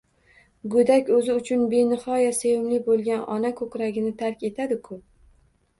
Go'dak o'zi uchun benixoya sevimli bo'lgan ona ko'kragini tark etadiku.